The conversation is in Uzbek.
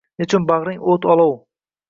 Nechun bagʼring oʼt-olov, alangaday yonasan.